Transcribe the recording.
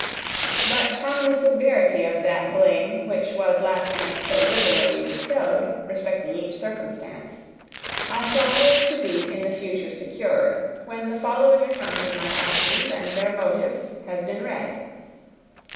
But from the severity of that blame which was last night so liberally bestowed, respecting each circumstance, I shall hope to be in future secured, when the following account of my actions and their motives has been read.